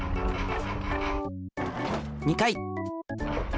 ２回。